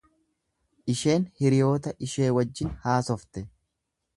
Isheen hiriyoota ishee wajjin haasofte.